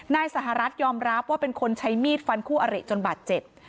นายสหรัฐยอมรับว่าเป็นคนใช้มีดฟันคู่อริจนบาดเจ็บ